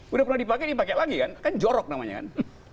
udah pernah dipakai dipakai lagi kan kan jorok namanya kan